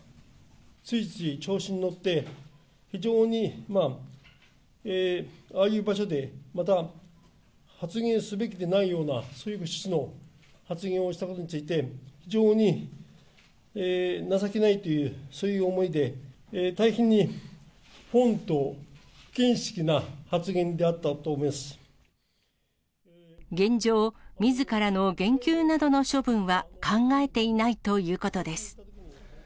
ついつい調子に乗って、非常にああいう場所で、また、発言すべきでないようなそういう質の発言をしたことについて、非常に情けないという、そういう思いで、大変に不穏当、現状、みずからの減給などの処分は考えていないということです。